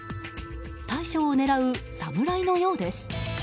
大将を狙うサムライのようです。